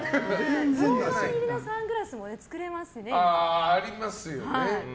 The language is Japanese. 老眼入りのサングラスも作れますしね。